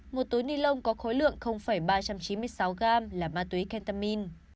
một túi nilon có khối lượng ba trăm chín mươi sáu gram là ma túy kentamin